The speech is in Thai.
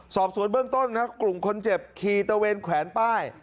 สอบสวนเบื้องต้นกลุ่มคนเจ็บขี่ตะเวนแขวนป้าย